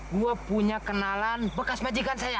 gue punya kenalan bekas majikan saya